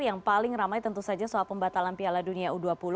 yang paling ramai tentu saja soal pembatalan piala dunia u dua puluh